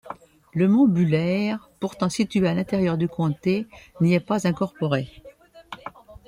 Le mont Buller pourtant situé à l'intérieur du comté n'y est pas incorporé.